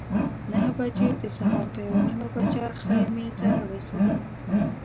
نهه بجې د سهار په یوه نیمه بجه خیمې ته ورسېدو.